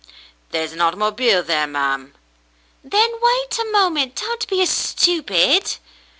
"There's a hautomobile there, ma'm." "Then wait a moment. Don't be a stupid."